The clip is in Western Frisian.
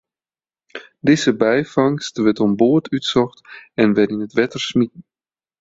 Dizze byfangst wurdt oan board útsocht en wer yn it wetter smiten.